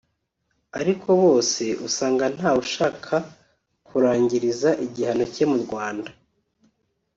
ariko bose usanga ntawe ushaka kurangiriza igihano cye mu Rwanda